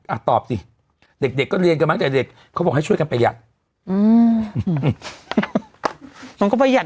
อ่ะตอบสิเด็กก็เรียนกันมากจากเด็กเขาบอกให้ช่วยกันประหยัด